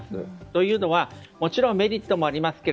というのはもちろんメリットもありますが